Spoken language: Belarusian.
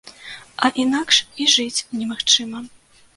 А інакш і жыць немагчыма.